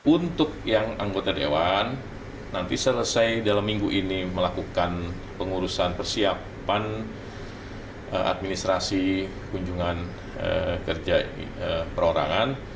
untuk yang anggota dewan nanti selesai dalam minggu ini melakukan pengurusan persiapan administrasi kunjungan kerja perorangan